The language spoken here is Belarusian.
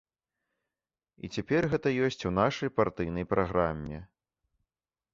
І цяпер гэта ёсць у нашай партыйнай праграме.